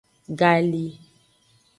Gali.